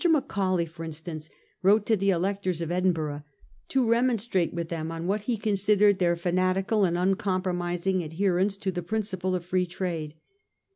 Macaulay, for instance, wrote to the electors of Edinburgh to remonstrate with them on what he considered their fanatical and uncompromising adhe rence to the principle of Free Trade.